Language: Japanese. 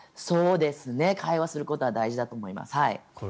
会話することが大事だと思います。